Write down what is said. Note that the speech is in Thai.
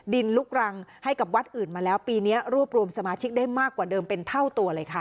ลุกรังให้กับวัดอื่นมาแล้วปีนี้รวบรวมสมาชิกได้มากกว่าเดิมเป็นเท่าตัวเลยค่ะ